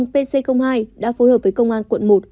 pc hai đã phối hợp với công an quận một